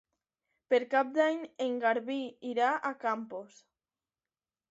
Per Cap d'Any en Garbí irà a Campos.